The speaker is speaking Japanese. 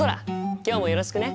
今日もよろしくね。